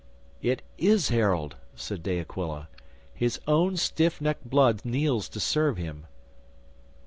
"It is Harold!" said De Aquila. "His own stiff necked blood kneels to serve him.